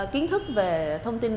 kiến thức về thông tin